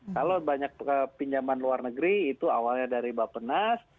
kalau banyak pinjaman luar negeri itu awalnya dari bapak nas